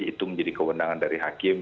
itu menjadi kewenangan dari hakim